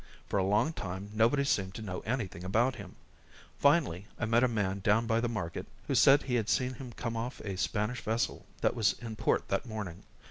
For a long time nobody seemed to know anything about him. Finally I met a man down by the market who said he had seen him come off a Spanish vessel that was in port that morning.